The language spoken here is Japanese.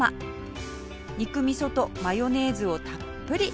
肉みそとマヨネーズをたっぷり